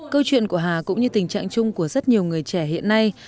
câu chuyện của hà cũng như tình trạng chung của rất nhiều người trẻ hiện nay